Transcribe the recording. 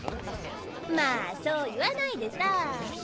まぁそう言わないでさぁ。